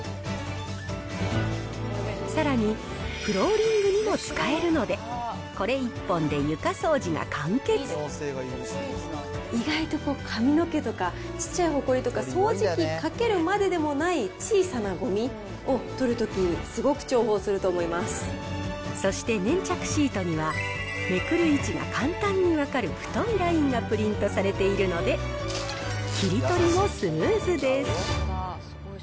さらに、フローリングにも使えるので、意外と髪の毛とか、小っちゃいほこりとか、掃除機かけるまででもない小さなごみを取るときにすごく重宝するそして粘着シートには、めくる位置が簡単に分かる太いラインがプリントされているので、切り取りがスムーズです。